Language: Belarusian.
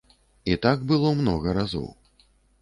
І так было многа разоў.